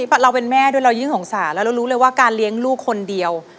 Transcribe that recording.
พะเราเป็นแม่ด้วยเรายึงโสนอาจรู้เลยว่าการเลี้ยงลูกคนเดียว